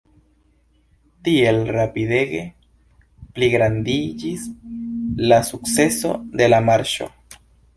Tiel rapidege pligrandiĝis la sukceso de la marŝo.